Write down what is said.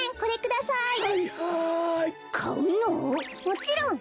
もちろん。